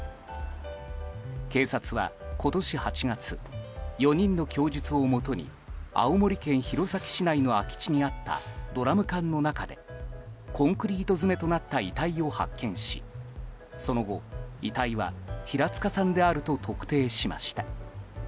警察は、今年８月４人の供述をもとに青森県弘前市内の空き地にあったドラム缶の中でコンクリート詰めとなった遺体を発見しその後、遺体は平塚さんであると特定しました。